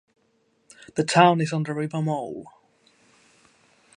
The town is on the River Mole.